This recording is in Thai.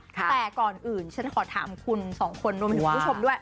แต่ก่อนอื่นฉันขอถามคุณสองคนรวมไปถึงคุณผู้ชมด้วย